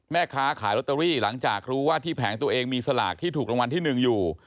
แม่ค้าขายลอตเตอรี่หลังจากรู้ว่าที่แผงตัวเองมีสลากที่ถูกรางวัลที่๑อยู่